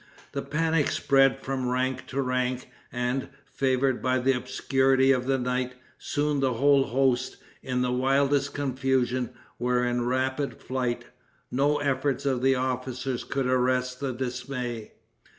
The panic spread from rank to rank, and, favored by the obscurity of the night, soon the whole host, in the wildest confusion, were in rapid flight. No efforts of the officers could arrest the dismay.